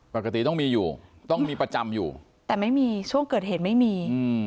ปกติต้องมีอยู่ต้องมีประจำอยู่แต่ไม่มีช่วงเกิดเหตุไม่มี